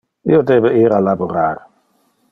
Io debe ir a laborar.